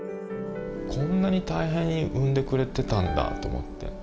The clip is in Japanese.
こんなに大変に産んでくれてたんだと思って。